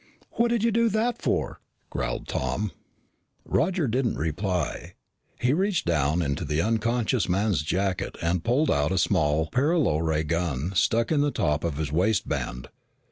"What did you do that for?" growled Tom. Roger didn't reply. He reached down into the unconscious man's jacket and pulled out a small paralo ray gun stuck in the top of his waistband.